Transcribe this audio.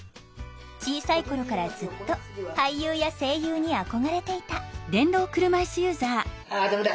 小さい頃からずっと俳優や声優に憧れていたあ駄目だ。